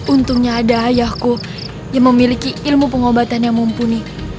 untungnya ada ayahku yang memiliki ilmu pengobatan yang mumpuni